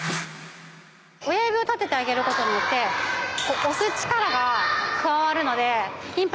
「親指を立ててあげることによって押す力が加わるので］